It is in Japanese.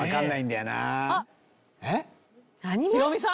あっヒロミさん。